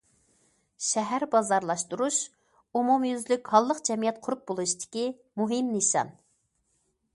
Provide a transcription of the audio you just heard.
شەھەر بازارلاشتۇرۇش ئومۇميۈزلۈك ھاللىق جەمئىيەت قۇرۇپ بولۇشتىكى مۇھىم نىشان.